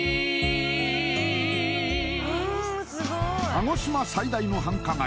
鹿児島最大の繁華街